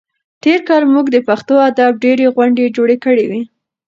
تېر کال موږ د پښتو ادب ډېرې غونډې جوړې کړې وې.